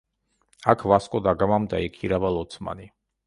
აქ ვასკო და გამამ დაიქირავა ლოცმანი.